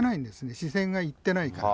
視線が行ってないから。